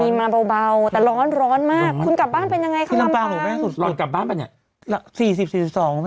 มีมาเบาแต่ร้อนร้อนมากคุณกลับบ้านเป็นยังไงค่ะลำบัง